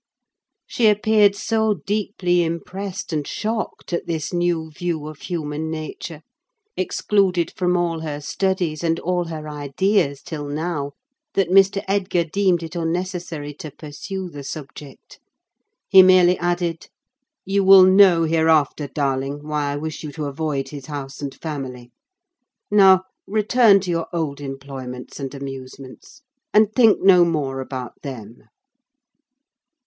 She appeared so deeply impressed and shocked at this new view of human nature—excluded from all her studies and all her ideas till now—that Mr. Edgar deemed it unnecessary to pursue the subject. He merely added: "You will know hereafter, darling, why I wish you to avoid his house and family; now return to your old employments and amusements, and think no more about them."